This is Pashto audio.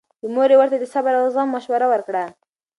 مور یې ورته د صبر او زغم مشوره ورکړه.